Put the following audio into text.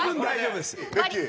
ベッキー。